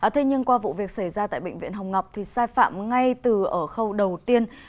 thế nhưng qua vụ việc xảy ra tại bệnh viện hồng ngọc thì sai phạm ngay từ ở khâu đầu tiên